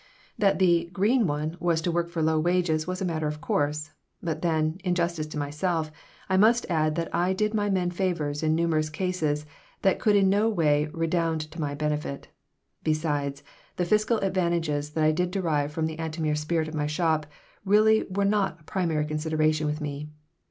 That the "green one" was to work for low wages was a matter of course. But then, in justice to myself, I must add that I did my men favors in numerous cases that could in no way redound to my benefit. Besides, the fiscal advantages that I did derive from the Antomir spirit of my shop really were not a primary consideration with me.